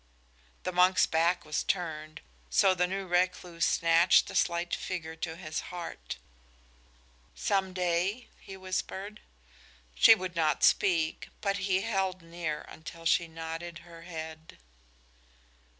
The monk's back was turned, so the new recluse snatched the slight figure to his heart. "Some day?" he whispered. She would not speak, but he held leer until she nodded her head.